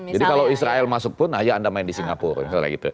jadi kalau israel masuk pun ayo anda main di singapura